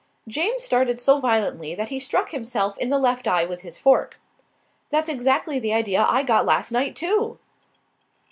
James started so violently that he struck himself in the left eye with his fork. "That's exactly the idea I got last night, too."